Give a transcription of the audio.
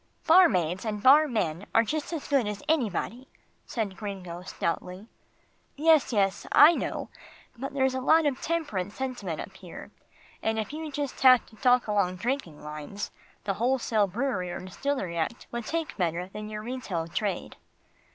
"Barmaids and barmen are just as good as anybody," said Gringo stoutly. "Yes, yes, I know, but there's a lot of temperance sentiment up here, and if you just have to talk along drinking lines, the wholesale brewery or distillery act would take better than your retail trade.